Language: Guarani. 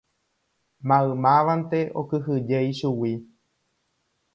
Maymávante okyhyje ichugui.